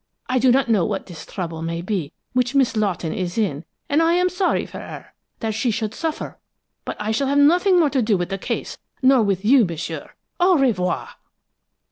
I do not know what this trouble may be, which Miss Lawton is in, and I am sorry for her, that she should suffer, but I shall have nothing more to do with the case, nor with you, m'sieu! _Au revoir!